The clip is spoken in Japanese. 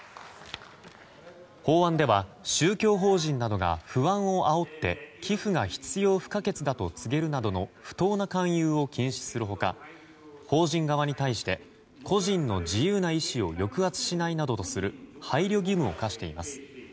法案では、宗教法人などが不安をあおって寄付が必要不可欠だと告げるなどの不当な勧誘を禁止するほか法人側に対して個人の自由な意思を抑圧しないなどとする配慮義務を課しています。